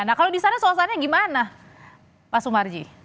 nah kalau di sana suasananya gimana pak sumarji